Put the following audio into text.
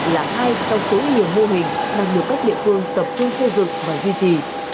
là hai trong số nhiều mô hình đang được các địa phương tập trung xây dựng và duy trì